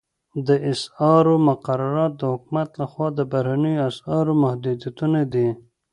د اسعارو مقررات د حکومت لخوا د بهرنیو اسعارو محدودیتونه دي